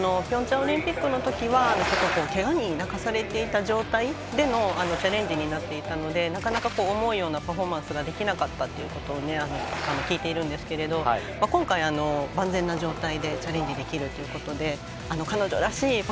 ピョンチャンオリンピックのときはけがに泣かされていた状態でのチャレンジになっていたのでなかなか思うようなパフォーマンスができなかったということを聞いているんですけど今回、万全な状態でチャレンジできるということで彼女らしい